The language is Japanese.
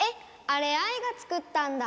あれアイが作ったんだ。